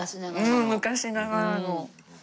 うん昔ながらの。